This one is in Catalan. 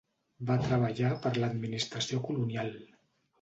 Va treballar per l'administració colonial.